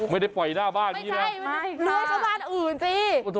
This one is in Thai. ไม่ได้ปล่อยหน้าบ้านนี้นะไม่ใช่เรือนข้างบ้านอื่นสิ